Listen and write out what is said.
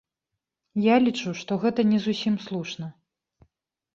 Я лічу, што гэта не зусім слушна.